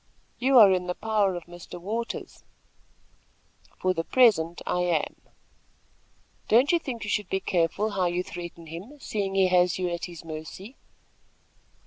"You are in the power of Mr. Waters." "For the present I am." "Don't you think you should be careful how you threaten him, seeing he has you at his mercy."